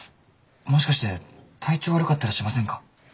もしかして体調悪かったりしませんか？